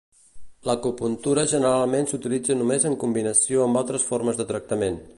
L'acupuntura generalment s'utilitza només en combinació amb altres formes de tractament.